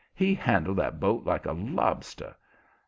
He handled that boat like a lobster.